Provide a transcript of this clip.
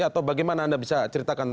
atau bagaimana anda bisa ceritakan